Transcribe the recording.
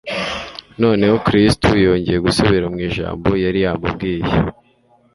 Noneho Kristo yongera gusubira mu ijambo yari yamubwiye